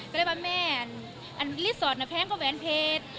ก็เลยบอกแม่รีสอร์ทแพงก็แวนเพชร